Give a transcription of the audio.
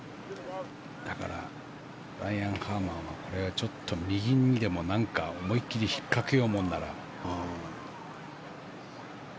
だからブライアン・ハーマンはこれはちょっと右にでも思いっ切り引っかけようものなら。